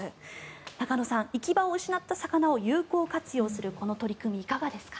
中野さん、行き場を失った魚を有効活用するこの取り組み、いかがですか？